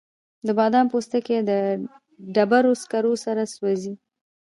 د بادامو پوستکي د ډبرو سکرو سره سوځي؟